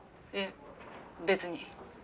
いえ別に。